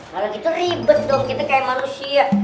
kalau gitu ribet dong kita kaya manusia